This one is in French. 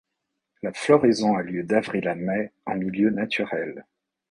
La floraison a lieu d'avril à mai en milieu naturel.